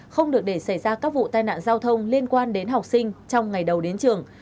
không được để xảy ra các vụ tai nạn giao thông liên quan đến học sinh trong ngày đầu đến trường